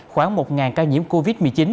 khoảng một ca nhiễm covid một mươi chín